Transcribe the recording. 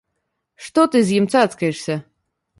Што ты з ім цацкаешся?